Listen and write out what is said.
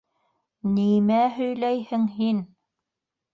Н-нимә һөйләйһең һин?